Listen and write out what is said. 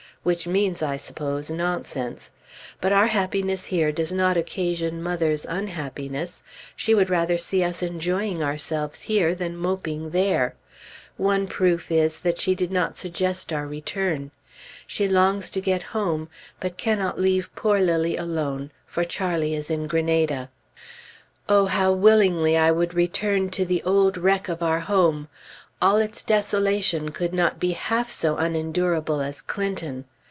which means, I suppose, nonsense. But our happiness here does not occasion mother's unhappiness. She would rather see us enjoying ourselves here than moping there. One proof is, that she did not suggest our return. She longs to get home, but cannot leave poor Lilly alone, for Charlie is in Granada. Oh, how willingly I would return to the old wreck of our home! All its desolation could not be half so unendurable as Clinton.